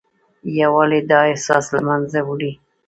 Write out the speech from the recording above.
یووالی دا احساس له منځه وړي.